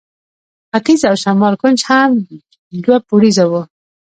ختیځ او شمال کونج هم دوه پوړیزه وه.